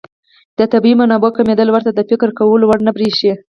د طبیعي منابعو کمېدل ورته د فکر کولو وړ نه بريښي.